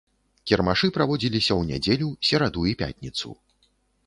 Кірмашы праводзіліся ў нядзелю, сераду і пятніцу.